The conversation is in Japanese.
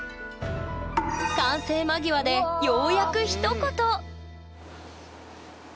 完成間際でようやくひと言！